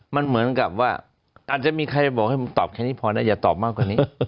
มันเหมือนกับว่าอาจจะมีใครบอกให้ผมตอบแค่นี้พอนะอย่าตอบมากกว่านี้